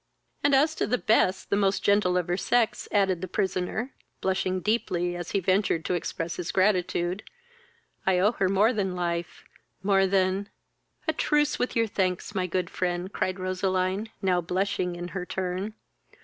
"And as the best, the most gentle of her sex," added the prisoner, blushing deeply as he ventured to express his gratitude. "I owe her more than life, more than " "A truce with your thanks, my good friend, (cried Roseline, now blushing in her turn.)